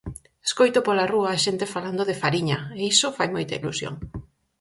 Escoito pola rúa a xente falando de 'Fariña', e iso fai moita ilusión.